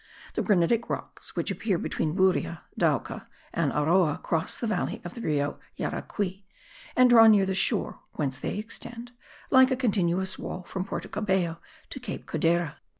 The granitic rocks which appear between Buria, Duaca and Aroa cross the valley of the Rio Yaracui and draw near the shore, whence they extend, like a continuous wall, from Porto Cabello to Cape Codera.